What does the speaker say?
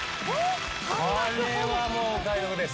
これはもうお買い得です。